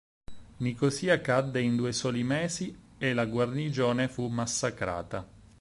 Nicosia cadde in due soli mesi e la guarnigione fu massacrata.